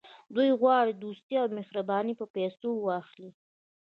دوی غواړي دوستي او مهرباني په پیسو واخلي.